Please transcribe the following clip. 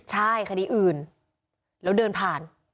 ใช่คดีอื่นแล้วเดินผ่าน